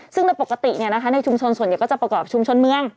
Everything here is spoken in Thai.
ซึ่งโดยปกติในชุมชนส่วนใหญ่ก็จะประกอบชุมชนเมือง